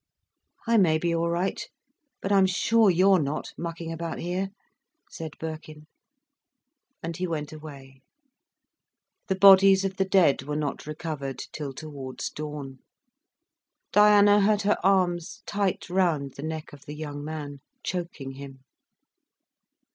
"I may be all right, but I'm sure you're not, mucking about here," said Birkin. And he went away. The bodies of the dead were not recovered till towards dawn. Diana had her arms tight round the neck of the young man, choking him.